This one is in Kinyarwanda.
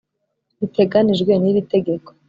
Biteganijwe n iri tegeko